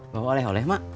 bawa oleh oleh ma